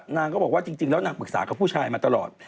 นางก็บอกว่าจริงแล้วนางปรึกษากับผู้ชายมาตลอด